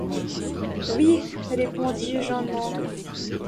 Oui, répondit John Mangles.